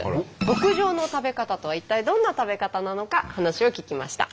極上の食べ方とは一体どんな食べ方なのか話を聞きました。